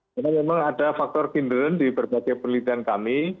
karena memang ada faktor kinderan di berbagai penelitian kami